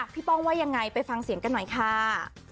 ป้องว่ายังไงไปฟังเสียงกันหน่อยค่ะ